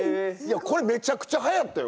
これめちゃくちゃはやったよ。